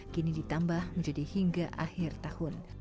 kini ditambah menjadi hingga akhir tahun